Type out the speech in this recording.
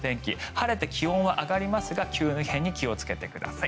晴れて気温は上がりますが急変に気をつけてください。